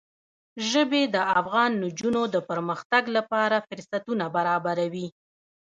ژبې د افغان نجونو د پرمختګ لپاره فرصتونه برابروي.